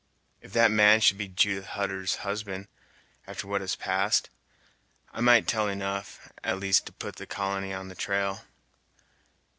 "If that man should be Judith Hutter's husband, after what has passed, I might tell enough, at least, to put the colony on the trail."